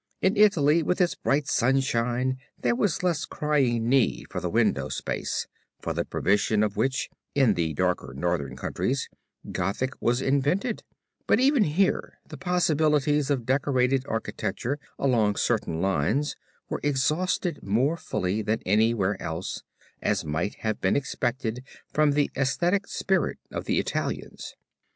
In Italy, with its bright sunlight, there was less crying need for the window space, for the provision of which, in the darker northern countries, Gothic was invented, but, even here the possibilities of decorated architecture along certain lines were exhausted more fully than anywhere else, as might have been expected from the esthetic spirit of the Italians.